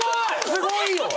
すごいよ！